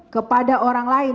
kepada orang lain